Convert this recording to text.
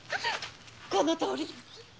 このとおりです。